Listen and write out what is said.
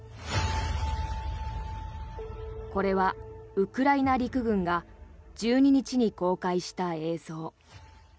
これはウクライナ陸軍が１２日に公開した映像。